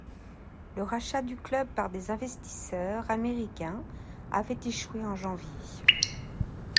Le rachat du club par des investisseurs américains avait échoué en janvier.